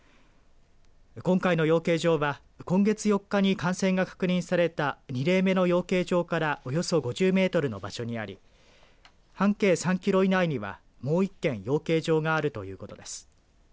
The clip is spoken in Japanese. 今回の養鶏場は今月４日に感染が確認された２例目の養鶏場からおよそ５０メートルの場所にあり半径３キロ以内にはもう１軒養鶏場があるということです。